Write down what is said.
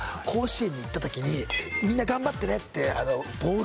「みんな頑張ってね」って。